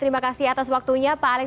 terima kasih atas waktunya pak alex